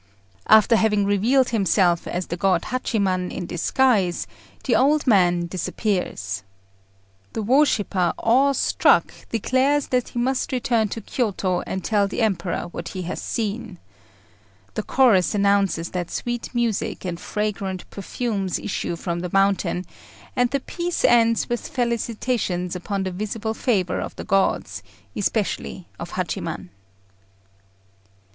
After having revealed himself as the god Hachiman in disguise, the old man disappears. The worshipper, awe struck, declares that he must return to Kiôto and tell the Emperor what he has seen. The chorus announces that sweet music and fragrant perfumes issue from the mountain, and the piece ends with felicitations upon the visible favour of the gods, and especially of Hachiman.